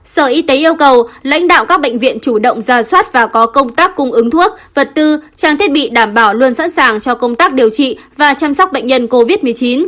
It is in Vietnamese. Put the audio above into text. sở y tế yêu cầu lãnh đạo các bệnh viện chủ động ra soát và có công tác cung ứng thuốc vật tư trang thiết bị đảm bảo luôn sẵn sàng cho công tác điều trị và chăm sóc bệnh nhân covid một mươi chín